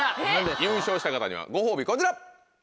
優勝した方にはご褒美こちら。